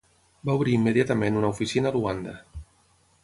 Va obrir immediatament una oficina a Luanda.